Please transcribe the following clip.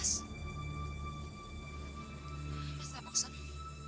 situ ada siapa pak salim